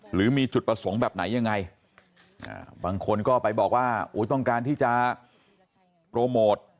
หรือมีจุดประสงค์แบบไหนยังไงบางคนก็ไปบอกว่าต้องการที่จะโปรโมท